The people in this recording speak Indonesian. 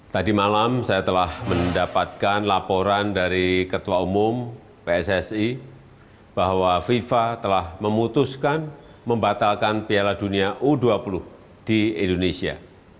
tadi malam saya telah mendapatkan laporan dari ketua umum pssi bahwa fifa telah memutuskan membatalkan piala dunia u dua puluh di indonesia